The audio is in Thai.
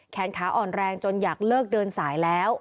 แขนขาอ่อนแรงจนอยากเลิกเดินสายแล้ว